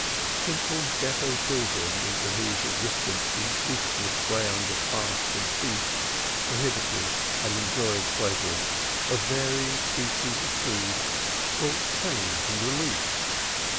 Simple Ghetto children into whose existence the ceaseless round of fast and feast, of prohibited and enjoyed pleasures, of varying species of food, brought change and relief!